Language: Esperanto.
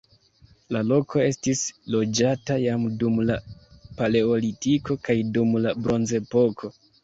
La loko estis loĝata jam dum la paleolitiko kaj dum la bronzepoko.